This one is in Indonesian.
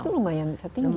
itu lumayan tinggi ya